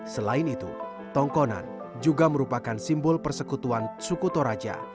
selain itu tongkonan juga merupakan simbol persekutuan suku toraja